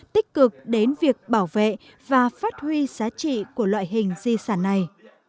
tích cực đến việc bảo vệ và phát huy giá trị của loại hình di sản này